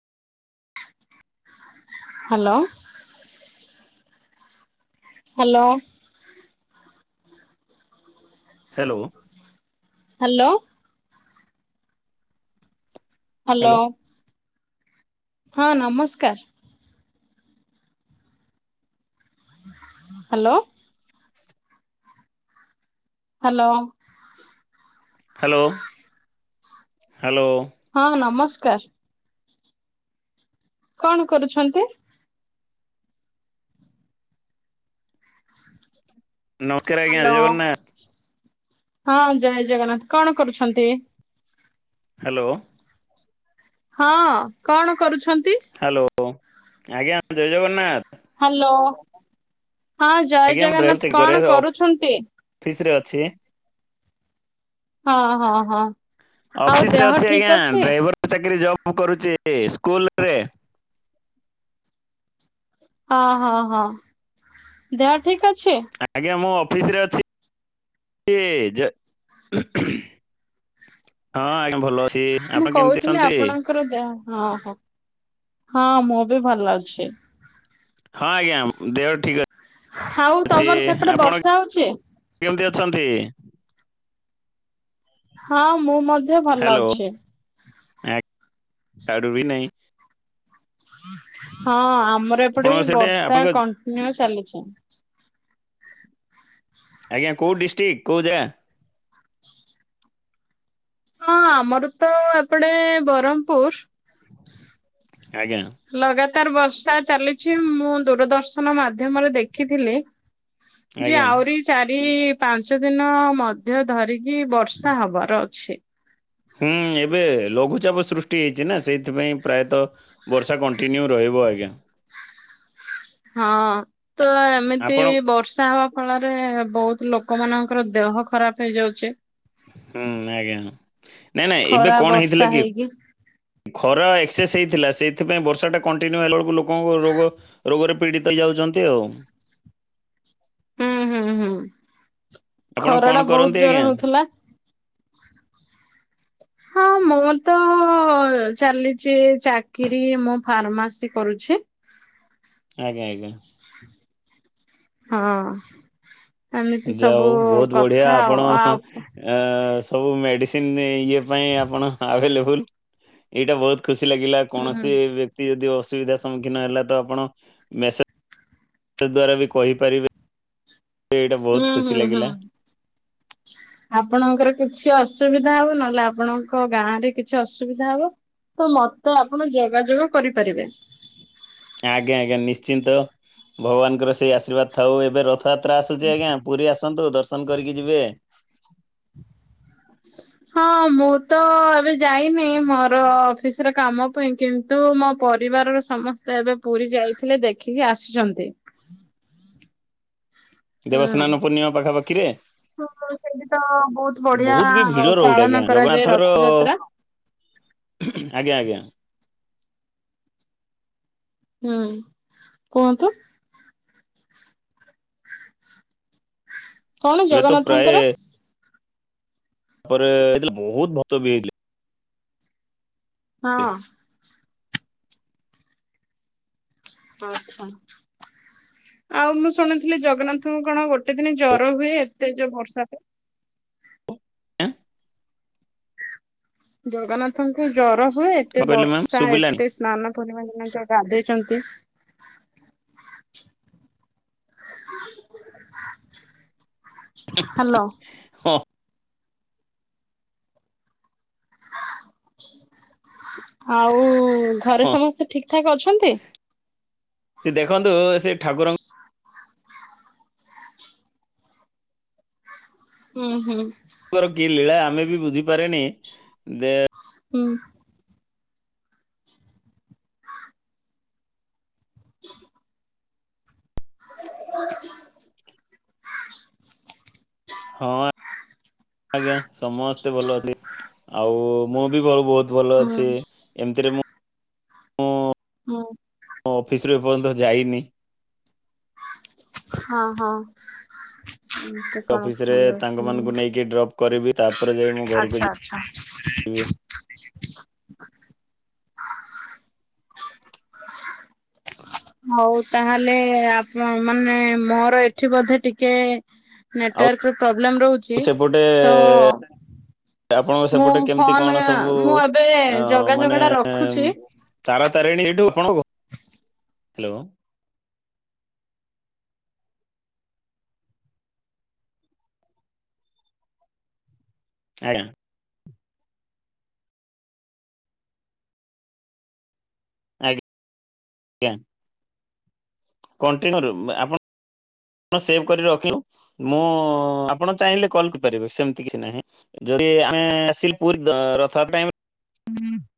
Hello. Hello. Hello. Hello. Hello ହଁ ନମସ୍କାର। Hello. Hello. Hello hello. ହଁ ନମସ୍କାର। କଣ କରୁଛନ୍ତି? ନମସ୍କାର ଆଜ୍ଞା ହ୍ୟାଲୋ ଜୟ ଜଗନ୍ନାଥ ହଁ ଜୟ ଜଗନ୍ନାଥ କଣ କରୁଛନ୍ତି? ହ୍ୟାଲୋ। ହଁ କଣ କରୁଛନ୍ତି? ହ୍ୟାଲୋ ଆଜ୍ଞା ଜୟ ଜଗନ୍ନାଥ। ହ୍ୟାଲୋ ହଁ ଜୟ ଆଜ୍ଞା ମୁଁ ଡ୍ରାଇଭର ଜଗନ୍ନାଥ ଚାକିରି କରେ କଣ କରୁଛନ୍ତି? ଅଫିସ ରେ ଅଛି। ହଁ ହଁ ହଁ। ଆଉ ଅଫିସ ରେ ଦେହ ଅଛି ଠିକ ଆଜ୍ଞା ଡ୍ରାଇଭର ଚାକିରି ଜବ କରୁଛି ସ୍କୁଲ ରେ। ହଁ ହଁ ହଁ ଦେହ ଠିକ ଅଛି? ଆଜ୍ଞା ମୁଁ ଅଫିସ ରେ ଅଛି। ହଁ ଆଜ୍ଞା ଭଲ ଅଛି। ମୁଁ ଆପଣ କେମିତି କହୁଥିଲି ଅଛନ୍ତି? ଆପଣ ଦେ ହଁ ହ ହଁ ମୁଁ ବି ଭଲ ଅଛି। ହଁ ଆଜ୍ଞା ଦେହ ଠିକ ଅଛି। ଆଉ ତମର ସେପଟେ ଆପଣ ବର୍ଷା ହଉଛି? କେମିତି ଅଛନ୍ତି? ହଁ ମୁଁ ମ ହ୍ୟାଲୋ ଏକ ତାଡୁ ବି ନାହିଁ। ହଁ ଆମର ଏପଟେ ଆପଣଙ୍କ ସେଟେ ବର୍ଷା ଆପଣଙ୍କ କଣ୍ଟିନ୍ୟୁ ଚାଲିଛି। ଆଜ୍ଞା କୋଉ ଡିଷ୍ଟ୍ରିକ୍ଟ କୋଉ ଜାଗା? ହଁ ଆମର ତ ଏପଟେ ବରମପୁର। ଆଜ୍ଞା। ଲଗାତାର ବର୍ଷା ଚାଲିଛି ମୁଁ ଦୂରଦର୍ଶନ ମାଧ୍ୟମରେ ଦେଖିଥିଲି। ଯେ ଆଜ୍ଞା ଆହୁରି ଚାରି ପାଞ୍ଚ ଦିନ ମଧ୍ୟ ଧରିକି ବର୍ଷା ହବାର ଅଛି। ହୁଁ ଏବେ ଲଘୁଚାପ ସୃଷ୍ଟି ହେଇଛି ନା ସେଇଥିପାଇଁ। ପ୍ରାୟତଃ ବର୍ଷା କଣ୍ଟିନ୍ୟୁ ରହିବ ଆଜ୍ଞା। ହଁ ତ ଏମିତି ଆପଣ ବର୍ଷା ହ ଫଳରେ ବହୁତ ଲୋକ ମାନଙ୍କର ଦେହ ଖରାପ ହେଇଯାଉଛେ। ହୁଁ ଆଜ୍ଞା ନାଇଁ ନାଇଁ ଏବେ ଖରା କଣ ବର୍ଷା ହେଇଥିଲା କି ହେଇକି ଖରା ଏକ୍ସସେସ୍ ହେଇଥିଲା ସେଇଥିପାଇଁ ବର୍ଷାଟା କଣ୍ଟିନ୍ୟୁ ହେଲା ବେଳକୁ ଲୋକଙ୍କୁ ରୋଗ ରୋଗରେ ପୀଡିତ ହେଇ ଯାଉଛନ୍ତି ଆଉ। ହୁଁ ହୁଁ ହୁଁ ଆପଣ ଖର କଣ ଟା କରନ୍ତି ବହୁତ ଆଜ୍ଞା? ଜୋର ହଉଥିଲା। ହଁ ମୁଁ ତ ଚାଲିଛି ଚାକିରି ମୁଁ ଫାର୍ମାସି କରୁଛି। ଆଜ୍ଞା ଆଜ୍ଞା। ହଁ। ଏମିତି ଯାହା ସବୁ ହଉ ବହୁତ ବଢ଼ିଆ କଥା ଆପଣ ଆଉ ଆଉ ସବୁ ମେଡ଼ିସିନ ଇଏ ପାଇଁ ଆପଣ ଆଭେଲେବୁଲ୍ ଏଇଟା ବହୁତ ଖୁସି ଲାଗିଲା ହୁଁ କୌଣସି କି ଅସୁବିଧା ସମ୍ମୁଖୀନ ହେଲା ଆପଣ ମେଶେଯ ଦ୍ଵାରା ବି କହିପାରିବେ। ଏଇଟା ବହୁତ ହୁଁ ଖୁସି ହୁଁ ହୁଁ। ଲାଗିଲା ଆପଣଙ୍କର କିଛି ଅସୁବିଧା ହବ ନହେଲେ ଆପଣଙ୍କ ଗାଁ ରେ କିଛି ଅସୁବିଧା ହବ। ତ ମତେ ଆପଣ ଯୋଗାଯୋଗ କରିପାରିବେ। ଆଜ୍ଞା ଆଜ୍ଞା ନିଶ୍ଚିନ୍ତ ଭଗବାନଙ୍କର ସେଇ ଆଶୀର୍ବାଦ ଥାଉ ଏବେ ରଥ ରଥଯାତ୍ରା ଆସୁଛି ଆଜ୍ଞା ପୁରୀ ଆସନ୍ତୁ ଦର୍ଶନ କରିକି ଯିବେ। ହଁ ମୁଁ ତ ଏବେ ଯାଇନି ମୋର ଅଫିସ ର କାମ ପାଇଁ କେମତି କିନ୍ତୁ ମୋ ପରିବାରର ସମସ୍ତେ ଏବେ ପୁରୀ ଯାଇଥିଲେ ଦେଖିକି ଆସିଛନ୍ତି। ଦେବସ୍ନାନ ପୂର୍ଣ୍ଣିମା ପାଖାପାଖିରେ। ହ ସେଠି ତ ବହୁତ ବଢିଆ ବି ଭିଡ ରହୁଛି ପାଳନ ଆଜ୍ଞା କରାଯାଏ ଜଗନ୍ନାଥଙ୍କର ରଥଯାତ୍ରା। ହ! ଆଜ୍ଞା ଆଜ୍ଞା। ହୁଁ କୁହନ୍ତୁ। କଣ ଏବେ ତ ପ୍ରାୟ ଜଗନ୍ନାଥଙ୍କର? ତାପରେ ଏ ବହୁତ ଭତ ବି ହେଲେ ହଁ। ଆଚ୍ଛା। ଆଉ ମୁଁ ଶୁଣିଥିଲି ଜଗନ୍ନାଥଙ୍କୁ କଣ ଗୋଟେ ଦିନ ଜର ହୁଏ ଏତେ ଯୋ ବର୍ଷାାରେ ଏନ୍। ଜଗନ୍ନାଥଙ୍କୁ ଜର ହୁଏ ଏତେ କଣ କହିଲେ ମ୍ୟାମ୍ ବର୍ଷା ଶୁଭିଲାନି ଏତେ ସ୍ନାନ ପୂର୍ଣିମା ଦିନ ଯୋଉ ଗାଧେଇଛନ୍ତି। [unintelligible] ହ୍ୟାଲୋ ହଁ! ଆଉ ଘରେ ହଁ ସମସ୍ତେ ଠିକ ଠାକ ଅଛନ୍ତି? ସେ ଦେଖନ୍ତୁ ସେ ଠାକୁରଙ୍କୁ ହୁଁ ହୁଁ! କି ଲୀଳା ଆମେ ବି ବୁଝିପାରେନି ଦେ ହୁଁ! [unintelligible] ହଁ ଆଜ୍ଞା ସମସ୍ତେ ଭଲ ଅଛି ଆଉ ମୁଁ ବି ଭଲ ବହୁତ ବହୁତ ଭଲ ହୁଁ ଅଛି ଏମିତିରେ ମୁଁ ମୁ ହଁ ମୁଁ ଅଫିସରୁୁ ଏପର୍ଯ୍ୟନ୍ତ ଯାଇନି। ହଁ ହଁ ଏମିତି କଣ ଅଫିସ ରେ ତାଙ୍କ ମାନଙ୍କୁ ନେଇକି ଡ୍ରପ୍ କରିବି ତାପରେ ଯାଇ ମୁଁ ଘରକୁ ଆଚ୍ଛା ଆଚ୍ଛା। ଯିବିି। [unintelligible] ହଉ ତାହେଲେ ଆପଣ ମାନେ ମୋର ଏଠି ବୋଧେ ଟିକେ ଆଉ ନେଟୱାର୍କର ପ୍ରୋବ୍ଲେମ୍ ରହୁଛି ସେପଟେ ତ ଆପଣଙ୍କ ମୁଁ ସେପଟେ କେମିତି ଫୋନ କଣ ସବୁ ମୁଁ ଏବେ ଅ ଯୋଗା ମାନେ ଯୋଗ ଟା ରଖୁଛି। ତାରା ତାରିଣୀ ହେଇଠୁ ଆପଣ ହାଲୋ। ଆଜ୍ଞା ଆଜ୍ଞା। କଣ [unintelligible] [unintelligible] ଆ ସେଭ କରି ରଖିଦିଅନ୍ତନୁ। ମୁଁ ଆପଣ ଚାହିଁଲେ କଲ କରିପାରିବେ ସେମତି କିଛି ନାହିଁ। ଯଦି ଆମେ ଆସିଲୁ ପୁରୀ ରଥଯାତ୍ରା ଟାଇମ ରେ